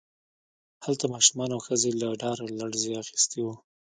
هلته ماشومان او ښځې له ډاره لړزې اخیستي وو